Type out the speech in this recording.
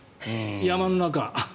山の中。